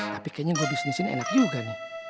tapi kayaknya gue bisnis ini enak juga nih